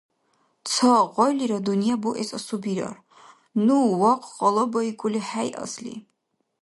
Ца гъайлира дунъя буэс асубирар. Ну вахъ къалабаикӀули хӀейасли?